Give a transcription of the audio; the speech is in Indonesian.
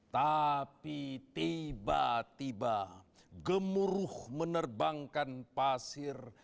tapi tiba tiba gemuruh menerbangkan pasir